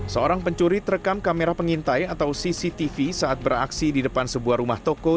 seorang pencuri terekam kamera pengintai atau cctv saat beraksi di depan sebuah rumah toko